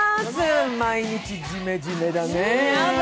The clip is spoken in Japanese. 毎日ジメジメだね。